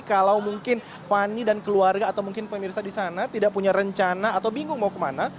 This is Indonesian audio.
kalau mungkin fani dan keluarga atau mungkin pemirsa di sana tidak punya rencana atau bingung mau kemana